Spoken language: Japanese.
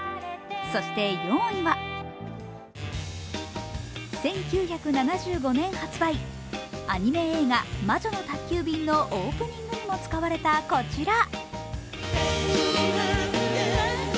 そして４位は、１９７５年発売、アニメ映画「魔女の宅急便」のオープニングにも使われたこちら。